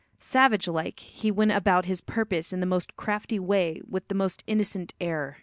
Savage like, he went about his purpose in the most crafty way with the most innocent air.